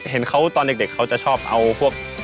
เห็นเขาตอนเด็กเขาจะชอบเอาพวก